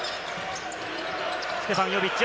ステファン・ヨビッチ。